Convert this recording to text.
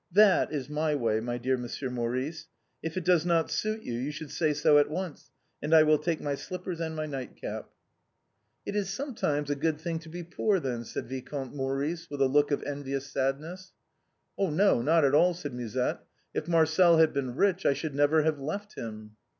That is my way, my dear Monsieur Maurice, if it does not suit you you should say so at once, and I will take my slippers and my nightcap." musette's fancies. 259 " It is sometimes a good thing to be poor then," said Vicomte Maurice, with a look of envious sadness. " No, not at alV said Musette. " If Marcel had been rich I should never have left him."